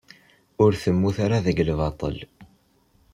Ur temmut ara deg lbaṭel.